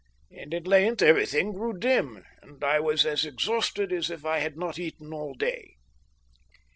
And at length everything grew dim, and I was as exhausted as if I had not eaten all day."